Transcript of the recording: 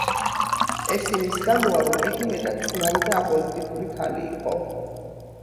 ეს იმის გამოა, რომ იგი მეტად წყნარი და აპოლიტიკური ქალი იყო.